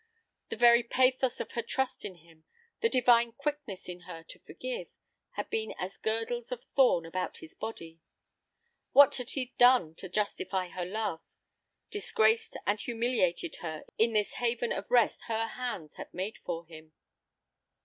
The very pathos of her trust in him, the divine quickness in her to forgive, had been as girdles of thorn about his body. What had he done to justify her love? Disgraced and humiliated her in this haven of rest her hands had made for him!